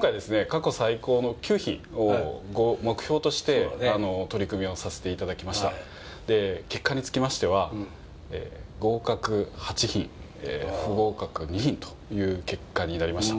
過去最高の９品を目標として取り組みをさせていただきましたで結果につきましてはという結果になりました